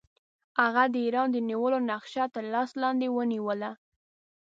هغه د ایران د نیولو نقشه تر لاس لاندې ونیوله.